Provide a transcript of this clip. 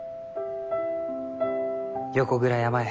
横倉山へ。